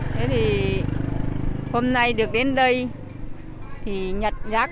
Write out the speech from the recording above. thế thì hôm nay được đến đây thì nhặt rác